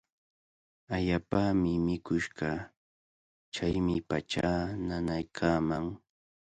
Allaapami mikush kaa. Chaymi pachaa nanaykaaman.